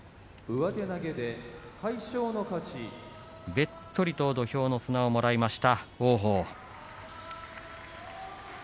べっとりと土俵の砂をもらいました